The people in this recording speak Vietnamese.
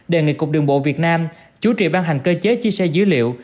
đề nghị cục đường bộ việt nam chú trị ban hành cơ chế chia sẻ dữ liệu